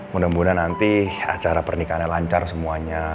mudah mudahan nanti acara pernikahannya lancar semuanya